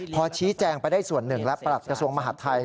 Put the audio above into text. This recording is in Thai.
พอชี้แจงไปได้ส่วนหนึ่งและประหลัดกระทรวงมหาดไทย